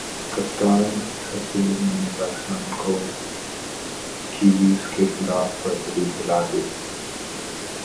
کپتان حسیم نے پاکستان کو کیویز کے خلاف برتری دلا دی